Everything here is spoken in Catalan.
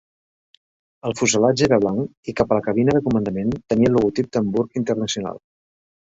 El fuselatge era blanc i cap a la cabina de comandament tenia el logotip d'Hamburg International.